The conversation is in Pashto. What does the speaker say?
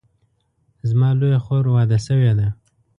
زما لویه خور واده شوې ده